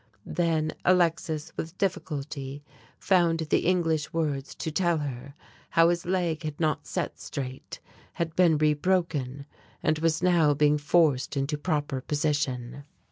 Then Alexis with difficulty found the English words to tell her how his leg had not set straight, had been re broken and was now being forced into proper position.